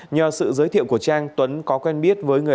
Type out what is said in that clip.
nhờ sự giới thiệu của trang tuấn có quen biết với người